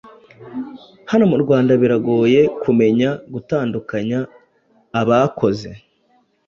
hano mu Rwanda biragoye kumenya gutandukanya abakoze